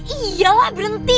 iya lah berhenti